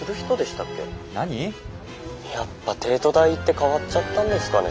やっぱ帝都大行って変わっちゃったんですかね。